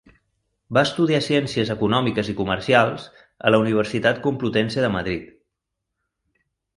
Va estudiar ciències econòmiques i comercials a la Universitat Complutense de Madrid.